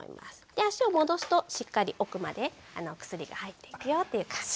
で足を戻すとしっかり奥までお薬が入っていくよという感じに。